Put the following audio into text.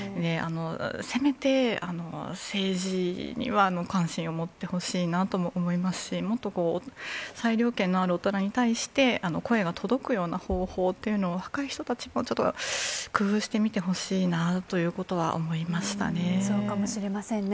せめて政治には関心を持ってほしいなとも思いますし、もっとこう裁量権のある大人に対して、声が届くような方法っていうのを、若い人たちもちょっと工夫してみてほしいなということは思いましそうかもしれませんね。